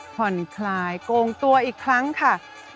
ผ่อนคลายโกงตัวอีกครั้งค่ะ